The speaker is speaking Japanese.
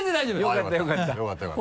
よかったよかった。